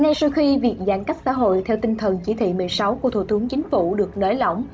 ngay sau khi việc giãn cách xã hội theo tinh thần chỉ thị một mươi sáu của thủ tướng chính phủ được nới lỏng